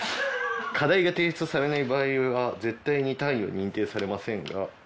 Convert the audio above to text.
「課題が提出されない場合は絶対に単位は認定されませんが」